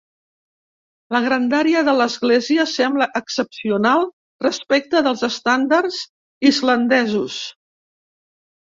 La grandària de l'església sembla excepcional respecte dels estàndards islandesos.